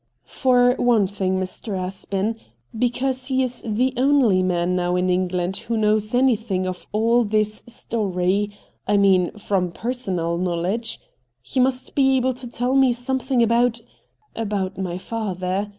' For one thing, Mr. Aspen ; because he is the only man now in England who knows anything of all this story — 1 mean from personal knowledge. He must be able to tell me something about — about my father.